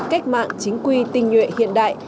cách mạng chính quy tinh nhuệ hiện đại